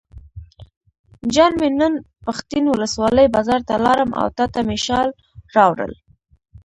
جان مې نن پښتین ولسوالۍ بازار ته لاړم او تاته مې شال راوړل.